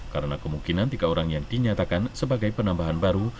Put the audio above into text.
karena kemungkinan tiga orang yang dinyatakan sebagai penambahan baru